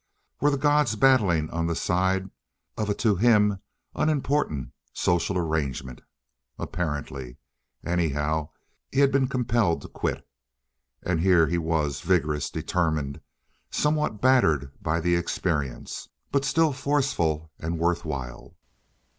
Were the gods battling on the side of a to him unimportant social arrangement? Apparently. Anyhow, he had been compelled to quit, and here he was, vigorous, determined, somewhat battered by the experience, but still forceful and worth while.